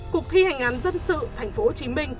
cục thi hành án dân sự tp hcm